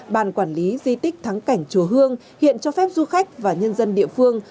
ban quản lý di tích thắng cảnh chùa hương hiện cho phép du khách và nhân dân địa phương